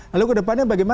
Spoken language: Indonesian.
lalu ke depannya bagaimana